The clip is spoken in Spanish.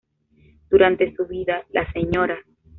Durante su vida, la Sra.